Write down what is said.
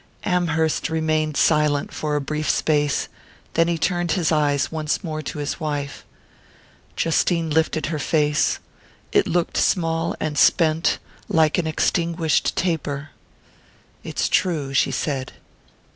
Amherst remained silent for a brief space; then he turned his eyes once more to his wife. Justine lifted her face: it looked small and spent, like an extinguished taper. "It's true," she said.